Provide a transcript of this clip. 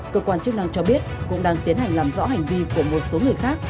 cơ quan chức năng cho biết cũng đang tiến hành làm rõ hành vi của một số người khác